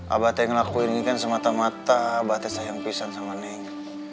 abah tuh ngelakuin ini kan semata mata abah tuh sayang pisah sama neng